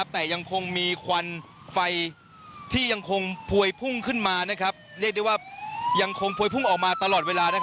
แต่ยังคงมีขวัญไฟที่ยังคงพวยพุ่งออกมาตลอดเวลา